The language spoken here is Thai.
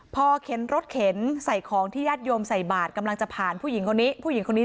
พอเข็นรถเข็นใส่ของที่ญาติโยมใส่บาทกำลังจะผ่านผู้หญิงคนนี้